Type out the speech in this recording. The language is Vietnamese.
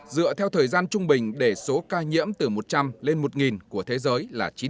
dựa theo thời gian trung bình để số ca nhiễm từ một trăm linh lên một của thế giới